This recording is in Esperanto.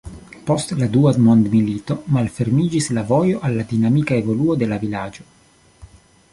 Post la dua mondmilito malfermiĝis la vojo al dinamika evoluo de la vilaĝo.